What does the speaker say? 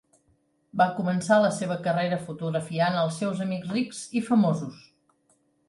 Va començar la seva carrera fotografiant els seus amics rics i famosos.